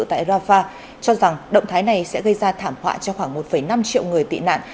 tại rafah cho rằng động thái này sẽ gây ra thảm họa cho khoảng một năm triệu người tị nạn